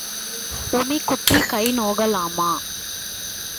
உமி குத்திக் கை நோகலாமோ?